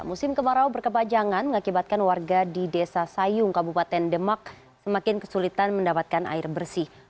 musim kemarau berkepajangan mengakibatkan warga di desa sayung kabupaten demak semakin kesulitan mendapatkan air bersih